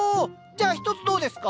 じゃあ１つどうですか？